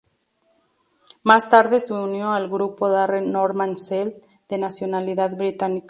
Más tarde se unió al grupo Darren Norman Sell, de nacionalidad británica.